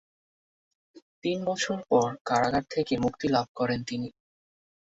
তিন বছর পর কারাগার থেকে মুক্তিলাভ করেন তিনি।